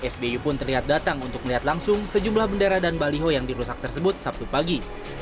sby pun terlihat datang untuk melihat langsung sejumlah bendera dan baliho yang dirusak tersebut sabtu pagi